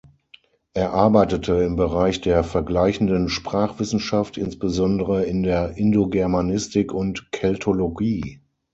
Er arbeitete im Bereich der Vergleichenden Sprachwissenschaft, insbesondere in der Indogermanistik und Keltologie.